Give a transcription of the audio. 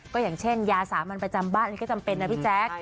ก็อย่างเช่นยาสามัญประจำบ้านอันนี้ก็จำเป็นนะพี่แจ๊ค